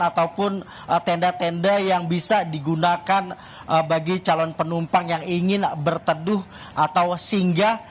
ataupun tenda tenda yang bisa digunakan bagi calon penumpang yang ingin berteduh atau singgah